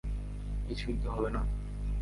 কিছুই কি হবে না?